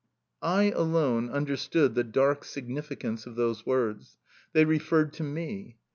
I alone understood the dark significance of those words: they referred to me.